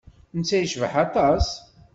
Netta yecbeḥ aṭas.